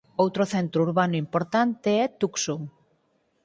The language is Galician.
Outro centro urbano importante é Tucson.